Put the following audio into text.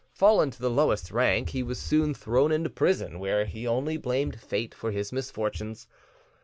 Fallen to the lowest rank, he was soon thrown into prison, where he only blamed Fate for his misfortunes.